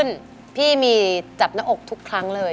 เห็นตอนอินโทรขึ้นพี่มีจับหน้าอกทุกครั้งเลย